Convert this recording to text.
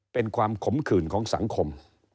เป็นความขมขื่นของสังคม